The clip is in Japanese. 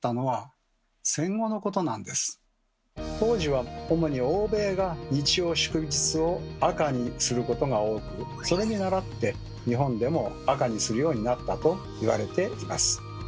当時は主に欧米が日曜・祝日を赤にすることが多くそれにならって日本でも赤にするようになったといわれています。